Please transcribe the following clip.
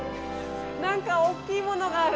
何か大きいものがある。